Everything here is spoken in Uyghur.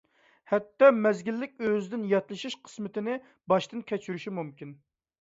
ھەتتا مەزگىللىك ئۆزىدىن ياتلىشىش قىسمىتىنى باشتىن كەچۈرۈشى مۇمكىن.